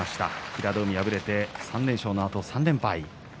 平戸海、敗れて３連勝のあと３連敗。